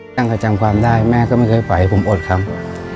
ตั้งแต่จำความได้แม่ก็ไม่เคยปล่อยผมอดครับ